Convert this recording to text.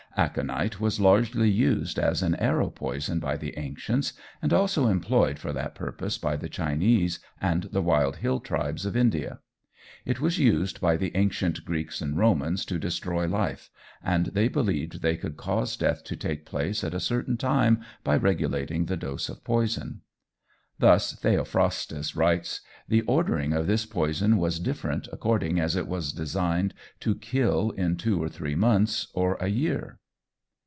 Aconite was largely used as an arrow poison by the ancients, and also employed for that purpose by the Chinese and the wild hill tribes of India. It was used by the ancient Greeks and Romans to destroy life, and they believed they could cause death to take place at a certain time by regulating the dose of poison. Thus Theophrastus writes: "The ordering of this poison was different according as it was designed to kill in two or three months, or a year."